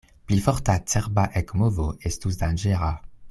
Pli forta cerba ekmovo estus danĝera.